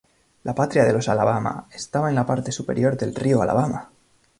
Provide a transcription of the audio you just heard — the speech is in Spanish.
La patria de los alabama estaba en la parte superior del Río Alabama.